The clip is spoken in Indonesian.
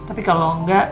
tapi kalau enggak